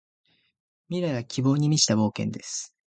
未来は希望に満ちた冒険です。